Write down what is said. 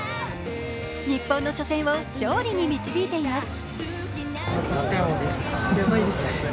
日本の初戦を勝利に導いています。